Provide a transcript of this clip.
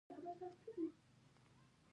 دوی پر ځان خاورې بادوي، چیغې او فریادونه کوي.